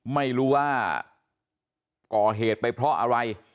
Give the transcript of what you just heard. ไม่รู้ว่าก่อเหตุไปเพราะอะไร